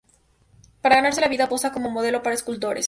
Para ganarse la vida, posa como modelo para escultores.